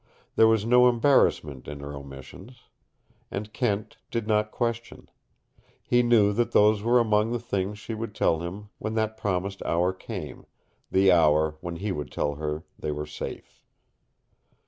There was no embarrassment in her omissions. And Kent did not question. He knew that those were among the things she would tell him when that promised hour came, the hour when he would tell her they were safe.